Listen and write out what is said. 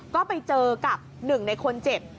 ก็ไปเจอกับหนึ่งในคนเจ็บ